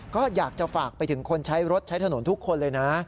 ก็อยากจะฝากไปถึงคนใช้รถใช้ถนนทุกคนเลยนะ